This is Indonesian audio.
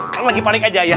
kalian lagi panik aja ya